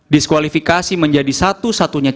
diskualifikasi menjadi satu satunya